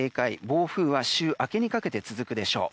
暴風は週明けにかけて続くでしょう。